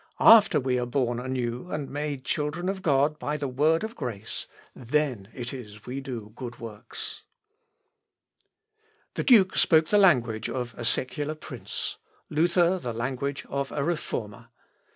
After we are born anew, and made children of God by the word of grace, then it is we do good works." L. Op. (W.) xxii, 748 752. The duke spoke the language of a secular prince Luther, the language of a reformer.